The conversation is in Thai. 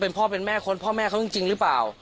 เป็นพ่อเป็นแม่คนพ่อแม่เขาจริงหรือเปล่า